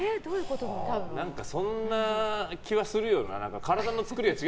そんな気はするよな。